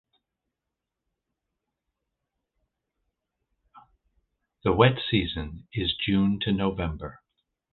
The wet season is June to November.